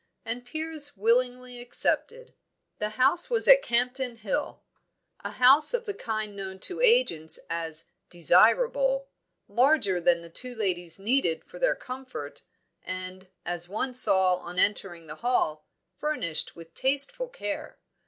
And Piers willingly accepted. The house was at Campden Hill; a house of the kind known to agents as "desirable," larger than the two ladies needed for their comfort, and, as one saw on entering the hall, furnished with tasteful care.